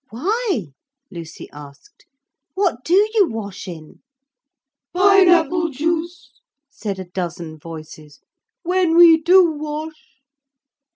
'Why?' Lucy asked. 'What do you wash in?' 'Pine apple juice,' said a dozen voices, 'when we do wash!'